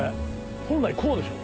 本来こうでしょ